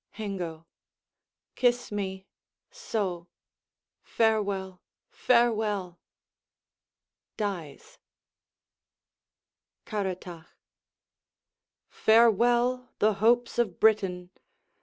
Hengo Kiss me: so. Farewell, farewell! [Dies.] Caratach Farewell, the hopes of Britain!